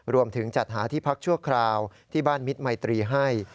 รวมถึงจัดหาที่พักชั่วคราวที่บ้านมิตรมัยตรีให้